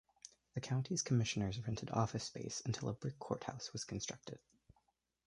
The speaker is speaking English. The county's commissioners rented office space until a brick courthouse was constructed.